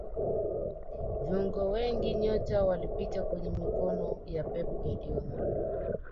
viungo wengi nyota walipita kwenye mikono ya pep guardiola